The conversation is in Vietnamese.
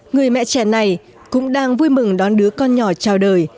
người mẹ trẻ này cũng đang vui mừng đón đứa con nhỏ trao đời